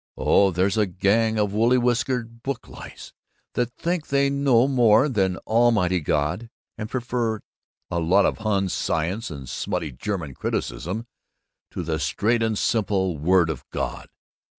Oh, there's a gang of woolly whiskered book lice that think they know more than Almighty God, and prefer a lot of Hun science and smutty German criticism to the straight and simple Word of God.